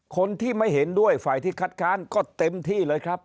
คนที่ไม่เห็นด้วยฝ่ายที่คัดค้านก็เต็มที่เลยครับ